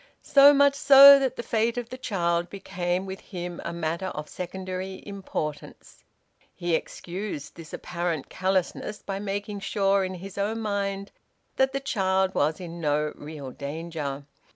So much so that the fate of the child became with him a matter of secondary importance. He excused this apparent callousness by making sure in his own mind that the child was in no real danger.